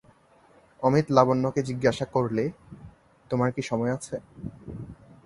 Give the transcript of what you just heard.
অমিত লাবণ্যকে জিজ্ঞাসা করলে, তোমার কি সময় আছে।